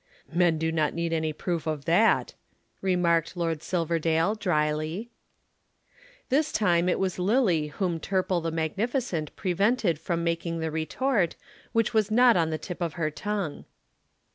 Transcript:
"Men do not need any proof of that," remarked Lord Silverdale dryly. This time it was Lillie whom Turple the magnificent prevented from making the retort which was not on the tip of her tongue.